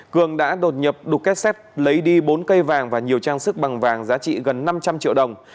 cường đã đột nhập đục kết sắt lấy đi bốn cây vàng và nhiều trang sức bằng vàng giá trị gần năm trăm linh triệu đồng